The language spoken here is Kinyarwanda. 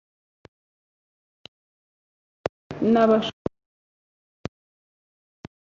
cyabo ndetse n abashobora kuba bo kandi